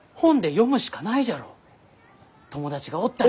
友達がおったら。